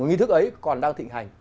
nghi thức ấy còn đang thịnh hành